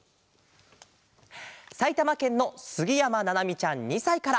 さいたまけんのすぎやまななみちゃん２さいから。